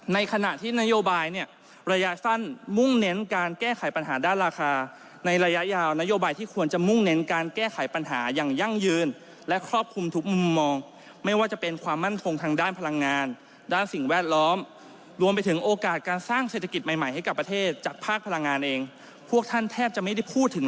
ในขณะที่นโยบายเนี่ยระยะสั้นมุ่งเน้นการแก้ไขปัญหาด้านราคาในระยะยาวนโยบายที่ควรจะมุ่งเน้นการแก้ไขปัญหาอย่างยั่งยืนและครอบคลุมทุกมุมมองไม่ว่าจะเป็นความมั่นคงทางด้านพลังงานด้านสิ่งแวดล้อมรวมไปถึงโอกาสการสร้างเศรษฐกิจใหม่ใหม่ให้กับประเทศจากภาคพลังงานเองพวกท่านแทบจะไม่ได้พูดถึง